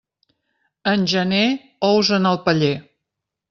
En gener, ous en el paller.